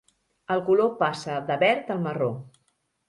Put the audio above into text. El color passa de verd al marró.